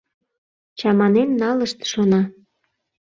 Чаманен налышт, шона.